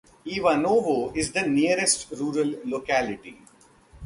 Ivanovo is the nearest rural locality.